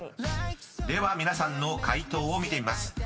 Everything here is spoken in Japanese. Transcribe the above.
［では皆さんの解答を見てみます］